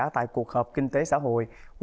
tại cuộc họp kinh tế xã hội